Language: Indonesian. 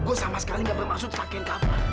gue sama sekali gak bermaksud sakit kaka